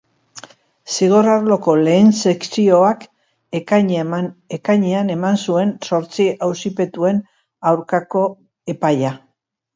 Zigor-arloko lehen sekzioak ekainean eman zuen zortzi auzipetuan aurkako epaia.